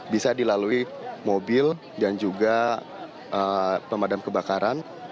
bisa dilalui mobil dan juga pemadam kebakaran